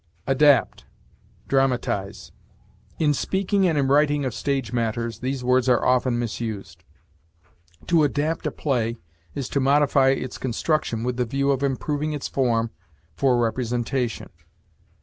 ADAPT DRAMATIZE. In speaking and in writing of stage matters, these words are often misused. To adapt a play is to modify its construction with the view of improving its form for representation.